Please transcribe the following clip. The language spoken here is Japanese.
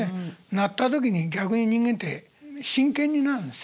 なった時に逆に人間って真剣になるんですよね。